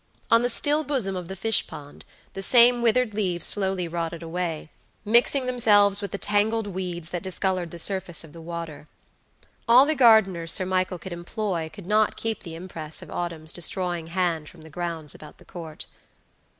On the still bosom of the fish pond the same withered leaves slowly rotted away, mixing themselves with the tangled weeds that discolored the surface of the water. All the gardeners Sir Michael could employ could not keep the impress of autumn's destroying hand from the grounds about the Court.